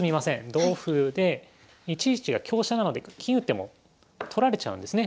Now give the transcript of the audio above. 同歩で１一が香車なので金打っても取られちゃうんですね。